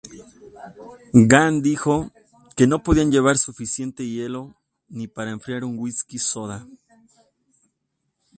Gann dijo que "no podían llevar suficiente hielo ni para enfriar un whisky soda".